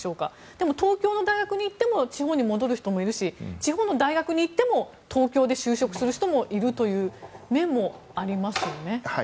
でも東京の大学に行っても地方に戻る人もいるし地方の大学に行っても東京で就職する人もいるという面もありますよね。